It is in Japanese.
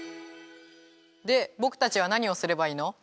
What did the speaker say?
でぼくたちはなにをすればいいの？